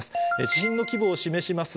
地震の規模を示します